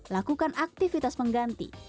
lakukan aktivitas pengganti